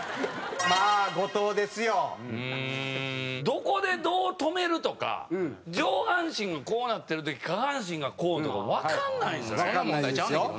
どこでどう止めるとか上半身がこうなってる時下半身がこうとかわかんないんですよね。